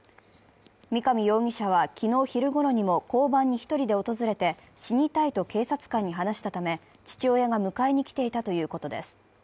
三上容疑者は昨日昼ごろにも交番に１人で訪れて、死にたいと警察官に話したため、父親が迎えに来ていたということです。